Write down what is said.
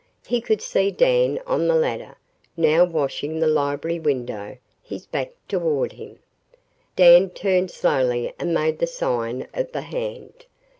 He could see Dan on the ladder, now washing the library window, his back toward him. Dan turned slowly and made the sign of the hand.